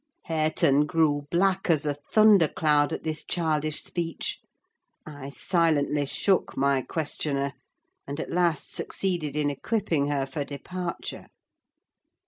Hareton grew black as a thunder cloud at this childish speech. I silently shook my questioner, and at last succeeded in equipping her for departure.